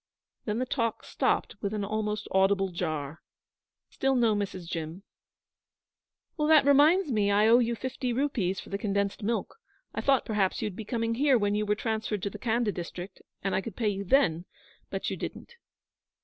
Then the talk stopped with an almost audible jar. Still no Mrs. Jim. 'That reminds me I owe you fifty rupees for the condensed milk. I thought perhaps you'd be coming here when you were transferred to the Khanda district, and I could pay you then; but you didn't.'